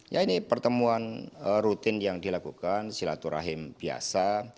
ya ini pertemuan rutin yang dilakukan silaturahim biasa